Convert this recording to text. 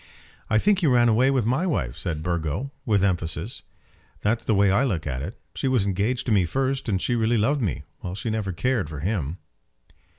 "I think he ran away with my wife," said Burgo, with emphasis; "that's the way I look at it. She was engaged to me first; and she really loved me, while she never cared for him."